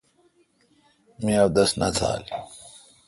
می اودس نہ تھال۔